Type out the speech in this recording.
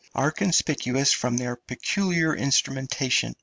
are conspicuous from their peculiar instrumentation.